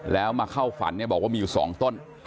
แล้วมาเข้าฝันบอกว่ามีอยู่๒ต้น